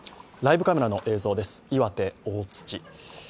ライブカメラの映像です、岩手・大槌。